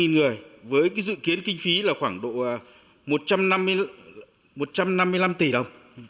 hai mươi người với dự kiến kinh phí là khoảng độ một trăm năm mươi năm tỷ đồng